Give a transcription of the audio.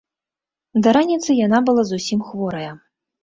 Да раніцы яна была зусім хворая.